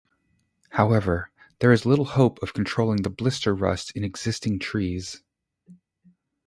However, there is little hope of controlling the blister rust in existing trees.